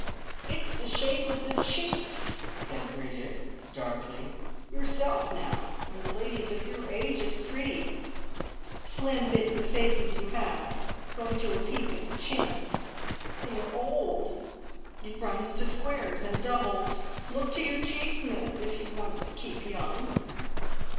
"It's the shape of the cheeks!" said Bridget darkly. "Yourself now, and the ladies of your age, it's pretty, slim bits of faces you have, going to a peak at the chin. When you're old, it runs to squares and doubles. Look to your cheeks, miss, if you wants to keep young!"